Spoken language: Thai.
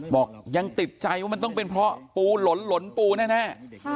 บอกยังติดใจว่ามันต้องเป็นเพราะปูหล่นปูแน่